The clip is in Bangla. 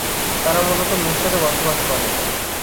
তারা মূলত মিশরে বসবাস করে।